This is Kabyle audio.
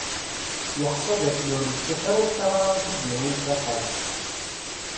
Yeḥsa d akken ur yettaf ara lkar ara t-id-yawin s axxam.